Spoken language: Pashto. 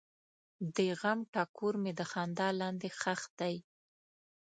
د غم ټکور مې د خندا لاندې ښخ دی.